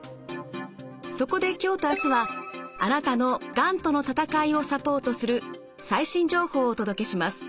そこで今日と明日はあなたのがんとの闘いをサポートする最新情報をお届けします。